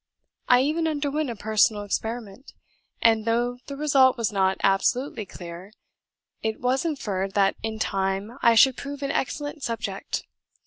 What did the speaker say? I even underwent a personal experiment; and though the result was not absolutely clear, it was inferred that in time I should prove an excellent subject.